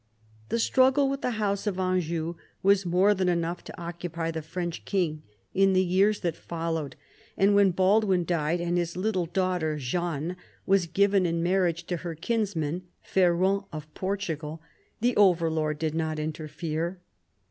The struggle with the house of Anjou was more than enough to occupy the French king in the years that followed, and when Baldwin died and his little daughter Jeanne was given in marriage to her kinsman Ferrand of Portugal, the overlord did not interfere.